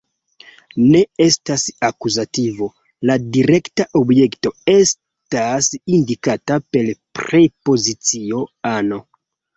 Ne estas akuzativo, la direkta objekto estas indikata per prepozicio "ano".